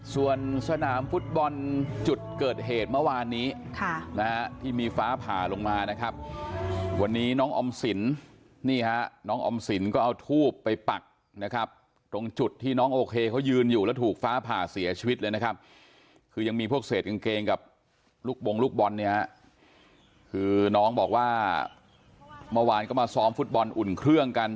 ส่วนสนามฟุตบอลจุดเกิดเหตุเมื่อวานนี้ที่มีฟ้าผ่าลงมานะครับวันนี้น้องออมสินนี่ฮะน้องออมสินก็เอาทูบไปปักนะครับตรงจุดที่น้องโอเคเขายืนอยู่แล้วถูกฟ้าผ่าเสียชีวิตเลยนะครับคือยังมีพวกเศษกางเกงกับลูกบงลูกบอลเนี่ยฮะคือน้องบอกว่าเมื่อวานก็มาซ้อมฟุตบอลอุ่นเครื่องกัน